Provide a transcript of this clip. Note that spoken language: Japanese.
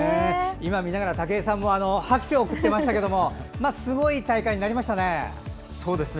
今、見ながら武井さんも拍手を送っていましたがすごい大会になりましたね。